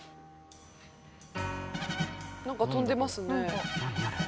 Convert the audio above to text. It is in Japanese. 「なんか飛んでますね」